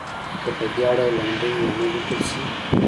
که په دې اړه لنډۍ ونه لیکل شي.